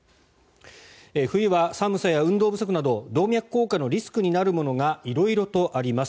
冬は寒さや運動不足など動脈硬化のリスクになるものが色々とあります。